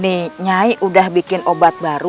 nih nyai udah bikin obat baru